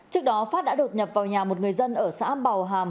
trước đó phát đã đột nhập vào nhà một người dân ở xã bào hàm